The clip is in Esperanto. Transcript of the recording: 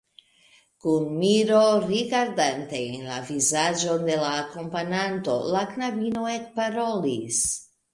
Kun miro rigardante en la vizaĝon de la akompananto, la knabino ekparolis.